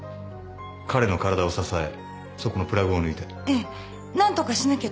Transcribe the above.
彼の体を支えそこのプラグを抜いて。